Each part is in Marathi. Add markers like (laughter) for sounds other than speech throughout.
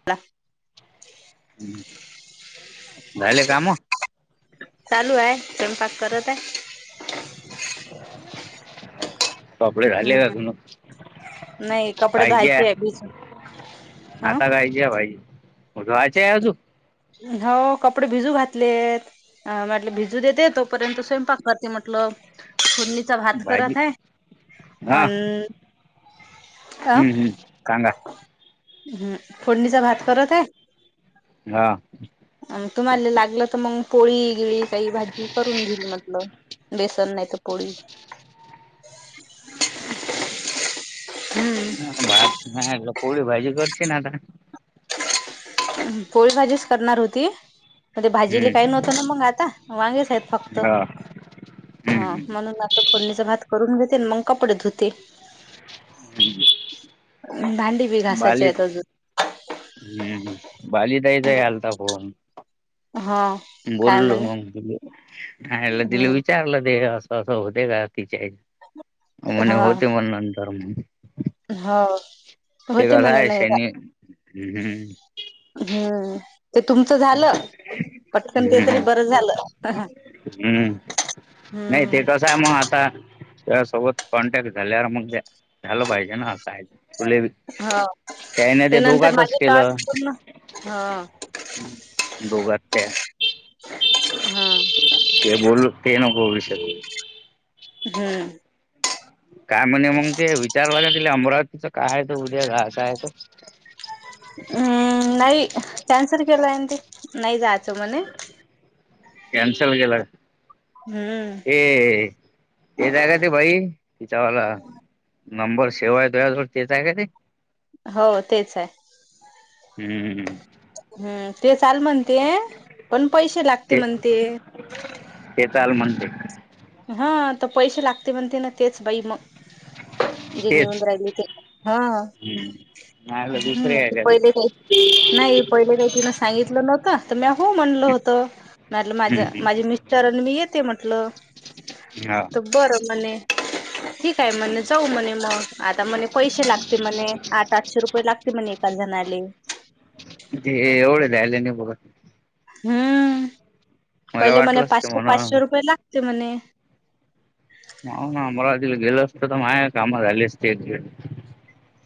(unintelligible) हम्म, झाले काम? चालू आहे स्वयंपाक करत आहे. (inaudible) कापडे घाल्ले का हम्म ग मग नाही कपडे पाहिग्या. धुवायचे भिजून अ आता काय जेवायची? (unintelligible) हो कपडे भिजू घातलेत. अ म्हटले भिजू देते तोपर्यंत स्वयंपाकात म्हटलं. च भात भाजी करत आहे आण. हम्म हम्म सांगा. हम् फोडणीचा भात करत आहे. हां. अम तुम्हाले लागलं तर मग पोळी गिळी काही भाजी करून घेईल म्हटलं. बेसन नाहीेत पोळी. हम्म. भात नाही ग पोळी भाजी करश ना आता. पोळी भाजीच करणार होती. मग ते भाजीले हं, काही नव्हतं ना मंग आता वांगेच आहेत फक्त हा हं, हा हं, म्हणून. फोडणीचा भात करून घेते मग कपडे धुते. हं. भांडी बी घासाची आहेत अजून. हम्म हम बाली ताईचा आलता फोन. हा. काय बोललो म्हणे मग तिले दिलं हम्म विचारलं देह अस तसं होते का तिच्या म्हणे होते मग नंतर मग. हा. ते होते कसा म्हणे आहे नाही शनी् हम्म. हम्म. ते तुमचं झालं पटकन ते तरी बरं झालं अ ह. हम्म नाही ते का. झा मग आता त्यासोबत कॉन्टॅक्ट झाल्यावर मग त्या. झालं पाहिजे ना असं फुले हो त्याने ते नंतर दोघातच माझे केलं. टास्क पूर्ण हा. दोघात त्या. हा. ते बोलू ते नको विषय हम्म. काय म्हणजे मग ते विचारलं त अमरावतीच काय आहे त उद्या घासायचं. हम्म नाही कॅन्सल केला हे न ते नाही जायच म्हणे. कॅनसल केला. हम्म. ए ए काय करते बहीण तिचावाला. नंबर सेवाय तुज्या पासून तेच आहेय का ते. हो तेच आहे. हम्म. हम्म ते चाल म्हणते पण पैसे लागते म्हण ते. ते चाल म्हणते. हा तर पैसे लागते म्हणते ना तेच बाई मग. (inaudible) (unintelligible) जे निऊन तेच राहिली ते हा हम्म नाही हम दुसरे आहे ते पहिले का. नाही पहिले काही तिन सांगितलं नव्हतं तर म्या हो म्हणलं होत म्हलं माझ ते हम्म माझी मि तर मी येते म्हटलं हम्म तर बरं मणे ठीक आहे हा म्हणे जाऊ म्हणे मग आता म्हणे पैसे लागते म्हणे आठ आठशे रुपये लागते म्हणे एका जणाले. दे एवढदायले न बघत हम्म मला पहिले म्हणे वाटलंच ते पाचशे म्हणा पाचशे रुपये लागते म्हणे. हो ना अमरावतीला गेल असतं तर माझ कामा झाले असतेत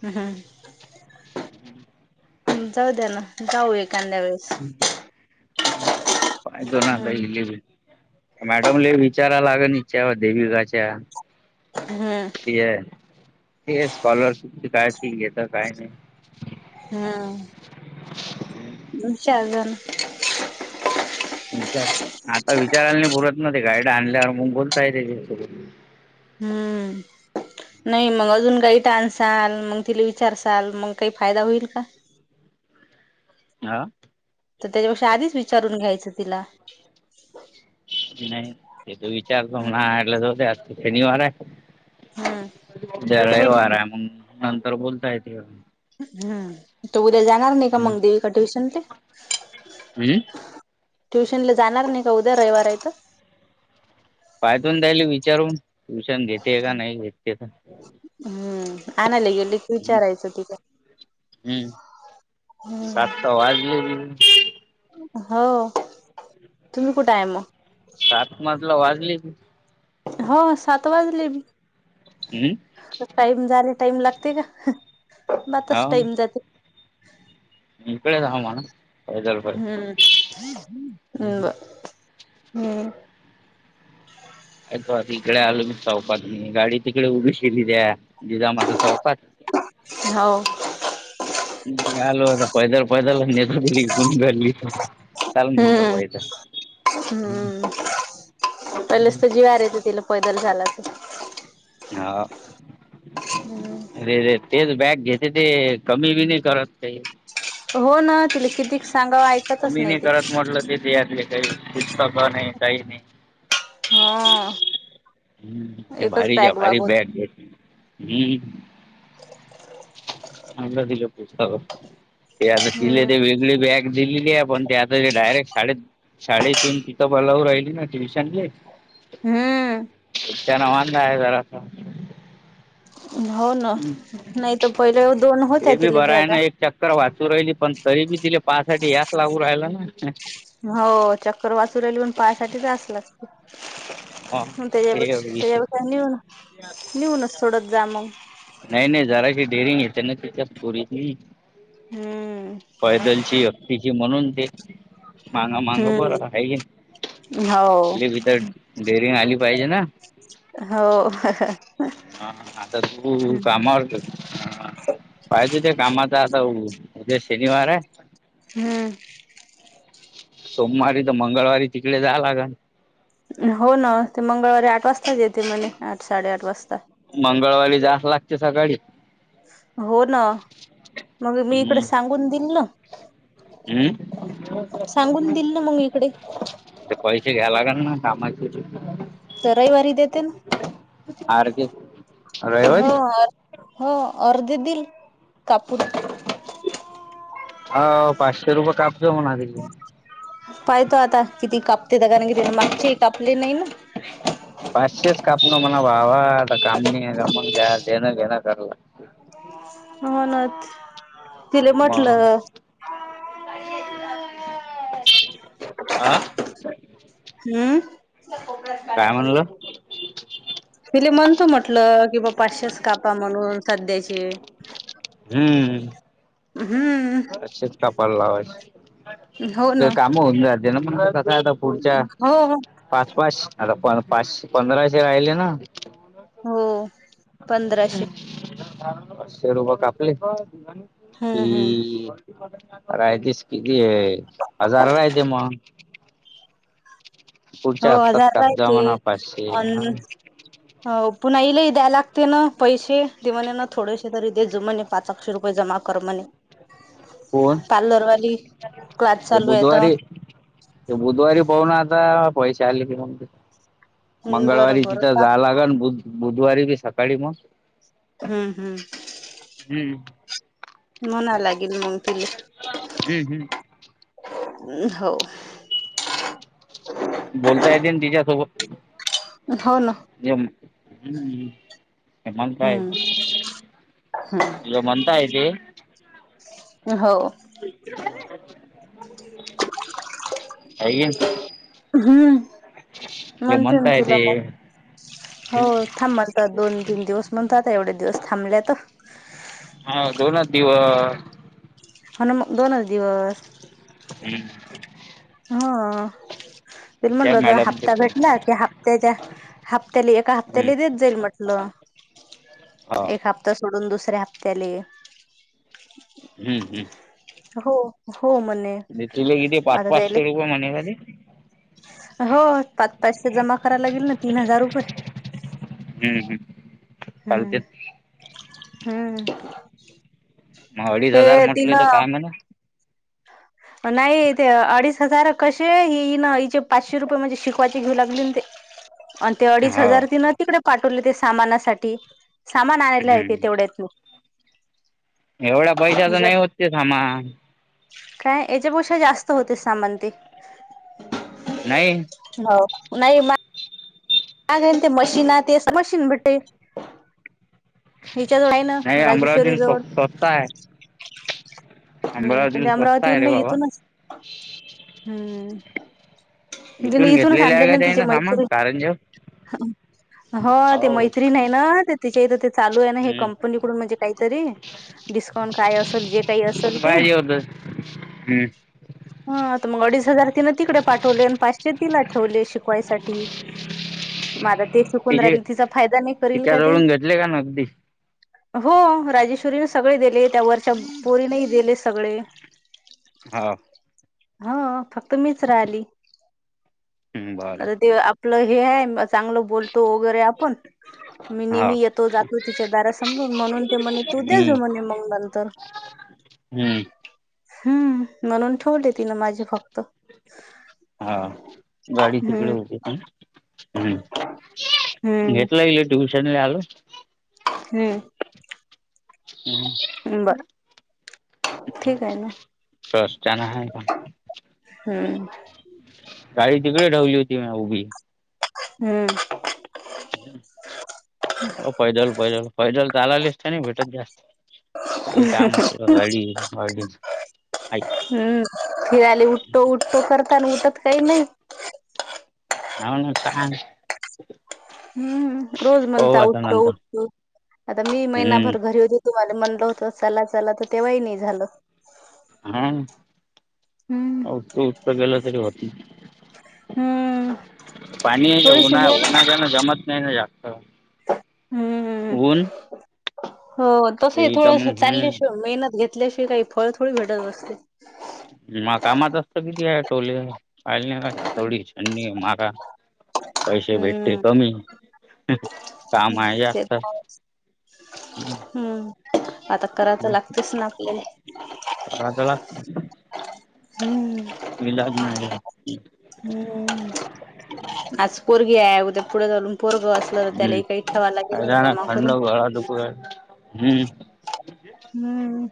हम् हम् जाऊ द्या ना जाऊ एखांद्या वेळ काय करून आता हम्म हिले बी मॅडम ले विचारा लाग हिच्या देवीकाच्या हमम ते ते स्कॉलरशिपची काय फि घेता काय माही हम् नुच शाळगम विचार आता विचारायला नाही बोलत ना ते गायड आणल्यावर मग बोलताय त्याच्या हम्म नाही मग अजून काही टाानसाल मग तिला विचारसाल मग काही फायदा होईल का? हा तर त्याच्यापेक्षा आधीच विचारून घ्यायचं तिला. नाही ते तो विचारतो नाले जोते (unintelligible) आज शनिवार आहे. हम्म जरा वारा आहे मग नंतर बोलता येत हम् तो उद्या जाणार नाही का मग देवीका ट्युशनले? हम् ट्युशन ला जाणार नाही का उद्या रविवार का? पायदून जायले विचारून ट्युशन घेते का नाही घेते तर हम्म आणायला गेले की हम? विचारायचं तिला हम्म सात हम्म तर वाजले हो तुम्ही कुठं आहे मग? सात मजला वाजली हो सात वाजली हम् टाइम झाले टाईम लागते का म तस टाईम हो जाते इकडेच हा म्हणा पैदल हम्मम् पैदल बर हम्म (inaudible) तो आधी इकडे आलो मी चौकात म गाडी तिकडे उभी केलेली आहे जीजीमाता चौकात हो आलू आता पैदल पैदलाेत तरीून घली चाल म्हणत हम्म पैदा (unintelligible) हम्म पलेच तर अर आहे तिला पैदल झाला ते हा. हम्म अरे रे तेच बॅग घेते ते कमी बी नाही करत काही हो ना तिला कितीक सांगाव ऐकतच कमी नाही ते करत म्हटलं ते ते यातले काही पुस्तक नाही काही नाही. हा हम्म ते एकच भारी जा बॅग भारी होत बॅग घ हम्म आला दिला पूसत ते आता किले हम्म ते वेगळे बॅग दिलेली आहे पण ते आता ते डायरेक्ट शाळेत शाळेतून तिथं बोलावू राहिली ना ट्युशनले हम्म त्या नावन नाही जरा अस हो ना नाही तर पहिले दोन होत्या ते बी तिले बरं आहे ना बॅगा एक चक्कर वाचू राहिली पण तरी बी तिले पाहासाठी याच लागू राहिला ना हो चक्कर वाचू राहिली पण पायासाठीच अस ला ह ते त्याच्यापेक्ष विषय त्याच्यापेक्ष नऊन लऊनच सोडत जा मग नाही, नाही जरा की डेरी त्याच्या पोरीची हम्म पैदलची व्यक्तीची म्हणून ते मांगा, मांग बर हम्म आहे हो भ तरर डेअरंग आली पाहिजे ना हो ह आता तू कामावर जात पाहिजे ते कामाच आताे शनिवार आहे हम्म सोमवारी तर मंगळवारी तिकडे जाला ग हो ना ते मंगळवारी आठ वाजताच येते म्हणे आठ साडेआठ वाजता मंगळवारी जाच लागते सकाळी हो ना मग मी इकडे हम्म सांगून दिल ना हम्म सांगून दिल ना मग इकडे पैसे घ्यायला का ना कामाचे तर रविवारी देते ना अर्गेत हो, हो अर्धे दिल कापुन हाव पाचशे रुपये कापतो म्हणाली पाहि तो आता किती कापते द कारण किती मगछ कापले नाही ना पाचशेच कापण म्हणा बावा आता कामणी का म्ह घ देणं घेणं कला हो नच म आ हम्य काय म्हणलं तिले म्हणतो म्हटल किं बा पाचशेच कापा म्हणून सध्याचे हम्म हम्म तच कपाल लावा हो ते ना काम होऊन जाचे ना मग कसा आता पुढच्या हो हो पाच, पाच आता प पाचशे पंधराशे राहिले ना हो पंधराशे शे रुप कापले की हम्म हम्म य तेस किती हजारला आहे ते मग हो पुढच्या हप्त्यात हजार कापजा लाते म्हणा पाचशे अ हा हाव अ पुन्हाईला द्याय लागते ना पैसे दे म्हणे ना थोडेसे तरी द जू म्हणे पाच आक्षे रुपये जमा कर म्हणे कोण का दरवाली क्लास ते चालू आहेेत बुधवारी ते बुधवारी पाह ना आता पैसे आले की हम्म मंगळवारी बरोबर तिथं का? जालाग बुधवारी बी सकाळी मग हम्म, हम्म हम्म म्हणा लागेल मग तिला हम्म, हम्म हो.. बोलतायतीलन तिच्यासोबत हाव ना ज हम् हे मंत हे हम्म हम्म मंतयताय ते हो काय गे हम्म म्हणते म्हणत आहे तिला ते मग हो थांब मग दोन तीन दिवस म्हणतात एवढे दिवस थांबलेत. हा दोन दिवस ह मग दोनच दिवस हम्म हा त त्या म्हटलं तर मॅडमचे हप्ता फोन भेटला की हफ त्याच्या हप्त्या एका हप्त्याला देत जाईल म्हटलं हो एक हप्ता ता सोडून दुसऱ्या हप्त्याले हम्म हम् हो हो म्हणे (unintelligible) पाच पाचशे रुपये म्हणे का ग ते होय.. पाच पैसे जमा करायला लागेल ना तीन हजार रुपये हम् हम हम्म हम्म मग अडीच हजार हे म्हटले तर तिनं काय म्हणा नाही ते अडीच हजार कसेन हचे पाचशे रुपये म्हणजे शिकवायचे घेऊ लागली ते. आणि ते अडीच हो हजार तिन तिकडे पाठवले ते सामानासाठी सामान आणायला येत हम्म तेवढ्याच नाही एवढ्या पैशाच तिच्या नाही होतते मा काय याच्यापेक्षा जास्त होतेस सामान ते. नाही.. हो नाही मा अगतेन मशीन आ ते मशीन भटे हिच्या जवळ आहे ना नाही राजेश्वरी अमरावती स्व जवळ स्वस्त आहे हम्म पण ते अमरावती स्वस्त आहे अमरावतीहून रे नाही बाबा येथूनच हम्म ज इथूनच आणलेलं ना तिचे मैतरीन कार जो हो ते मैत्रीण नाही ना ते तिच्या इथ चालू आहे ना हे हम्म कंपनीकडून म्हणजे काहीतरी डिस्काउंट काय असेल जे काही असेल ते. पाहिजे होत हम्म हा तर मग अडीच हजार तिनं तिकडे पाठवले आणि पाचशे तिला ठेवले शिकवायसाठी. मला ते शिकून तिचे राहिल तिचा फायदा नाही करल का ती. तिच्याजवळून घेतले का नगदी हो राजेश्वरीने सगळे दिले त्या वरच्या पोरीने दिले सगळे. हो.. हा फक्त मीच राहिली हम्म बरं आता ते आपलं हे आहे चांगलं बोलतो वगैरे आपण मी हा नेहमी येतो जातो तिच्या दार समोरून म्हणून ते म्हणे तू दे हम्म जा म्हणे मग नंतर हम्म हम्म म्हणून ठेवले तिन माझे फक्त हा गाडी तिकड हम्म होते काय? हम्म हम्म घेतला येले ट्यूशन ला आलो हम्म हम् बरं.. तर चना आहे काय हम्म गाडी तिकडे ठेवली होती मी उभी. हम्म. हो पैदल पैदल पैदल लालेसते (unintelligible) नाही भेटत जास्त. सगळी काम अस गडी गाडी हम्म फिराले उठतो उठतो करताना उठत काही नाही. हो ना हुता आन हम्म रोज म्हणता उठतो नंतर उठतो आता मी हम्म महिनाभर घरी तुम्हाला म्हणल होत चला चला तर तेव्हाही नाही झालं. हा हम्म. उठत उठत गेलं तरी होत हम्म पाणी हे थोडीशी उना मेहनत उन ज ना जम नाही ना जास्त हम्म. ऊन हो तस इथं थोडंस मग हम्म चालल्याशिवाय मेहनत घेतल्याशिवायही फळ थोडी भेटत असते. मग कामात असत किती आहे टोले पाहिले का हातोडी छणी मारा पैसे भेटते हम्म कमी काम आहे ते जास्त. ह. (unintelligible) हम्म आता कराय चला लागतेच ना आपल्याले. पराज लागत. (unintelligible) हम्म. हिला नाय हम्म आज पोरगी आहे उद्या पुढे जाऊन पोरग असलं तर त्याला काही ठेवाव लागेल जमा करून. ळा लोक आहे. (unintelligible) हम्म. हम्म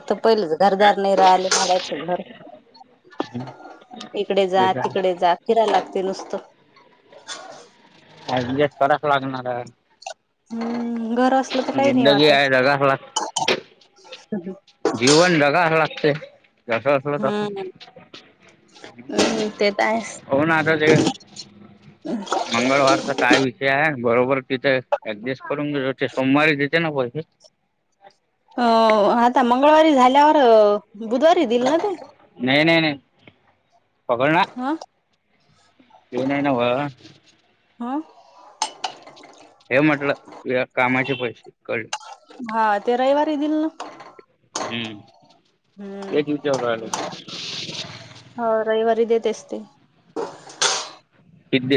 इथं पहिलंच घरदार नाही राहिले भाड्याचं घर. इकडे जा तेच आहे तिकडे जा फिरायला लागते नुसतं. अजून एक कडक लागणार आहे. हम्म घर असलं तर काही नाही जिंदगी आहे वाटत. जगावंच लाग जीवन ढगा लागते जस असल तर हम्म ते तर आहेच हो ना आता ते मंगळवार तर काय विषय आहे बरोबर तिथे ऍडजस्ट करून घेतो सोमवारी देते ना पैसे? अ आता मंगळवारी झाल्यावर बुधवारी दिल ना ते? नाही नाही नाही पकड ना आ? ते नाही नाव हा. हे म्हटलं तुझ्या कामाचे पैसे कळले हा ते रविवारी दिल ना. हम्म हम्म हेच विचारून राहिलो. हो रविवारी देत असते. पित दे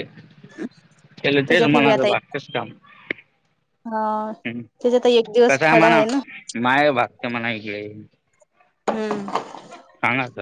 त्याला दे ग त्याच्यात नाही बी मनाला आता एक मारतेस का हा. हम् त्याच्यात एक दिवस कसं आहे खाडा मला ना माय भागते मला इकडे हम्म. कानाच.